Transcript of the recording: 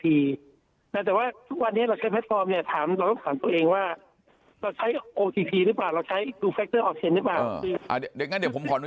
แต่ว่าทุกวันนี้เราใช้แพลตฟอร์มเราต้องถามตัวเองว่า